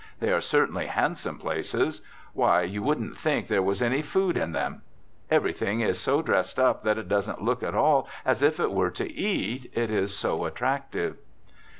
They are certainly handsome places. Why, you wouldn't think there was any food in them. Everything is so dressed up that it doesn't look at all as if it were to eat, it is so attractive.